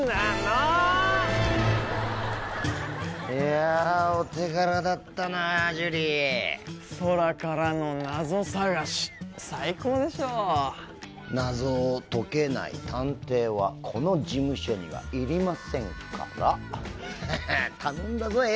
いやお手柄だったなジュリ空からの謎探し最高でしょう謎を解けない探偵はこの事務所にはいりませんから頼んだぞ